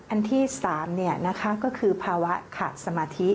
อันที่๓เนี่ยนะคะก็คือภาวะขาดสมาธิ